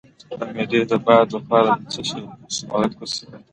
د معدې د باد لپاره د څه شي عرق وڅښم؟